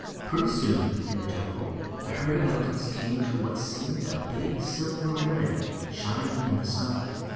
Pretty soon, in the jungle, the herd of elephants came to what seemed a big silver ribbon, shining in the sun.